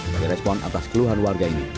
dari respon atas keluhan warga ini